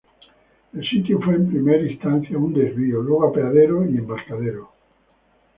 El sitio fue en primar instancia un desvío, luego apeadero y embarcadero.